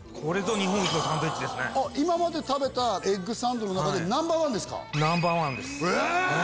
今まで食べたエッグサンドの中でナンバーワンですか？